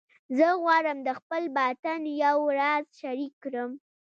زه غواړم د خپل باطن یو راز شریک کړم